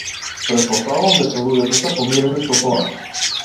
Претпоставувам дека луѓето се помирени со тоа.